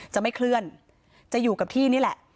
จะไม่เคลื่อนจะอยู่กับที่นี่แหละ